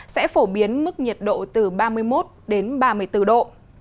sẽ phổ biến mức nhiệt độ từ ba mươi một đến ba mươi bốn độ